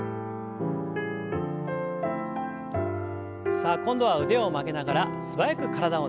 さあ今度は腕を曲げながら素早く体をねじります。